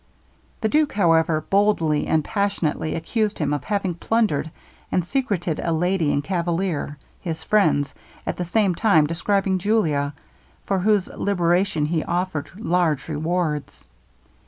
The duke, however, boldly and passionately accused him of having plundered and secreted a lady and cavalier, his friends, at the same time describing Julia, for whose liberation he offered large rewards.